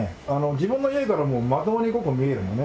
自分の家からもまともにここ見えるのね。